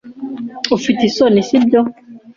Ufite isoni, sibyo?